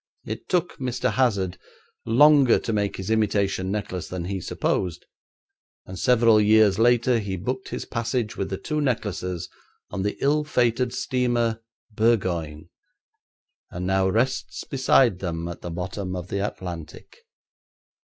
It took Mr. Hazard longer to make his imitation necklace than he supposed, and several years later he booked his passage with the two necklaces on the ill fated steamer Burgoyne, and now rests beside them at the bottom of the Atlantic.